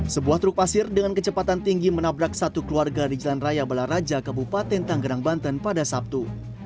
sebuah truk pasir dengan kecepatan tinggi menabrak satu keluarga di jalan raya balaraja kabupaten tanggerang banten pada sabtu